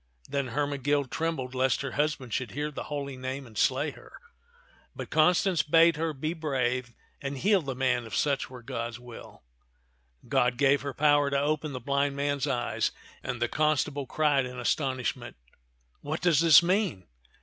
Then Hermegild trembled lest her husband should hear the holy name and slay her ; but Constance bade her be brave and heal the man if such were God's will. God gave her the power to open the blind man's eyes; and the constable cried in astonishment, "What does this mean